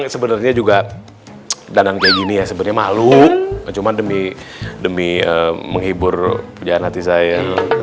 sebenarnya juga danang kayak gini ya sebenarnya malu cuma demi menghibur hati saya